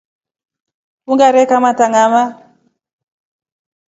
Ungare kamata ngama.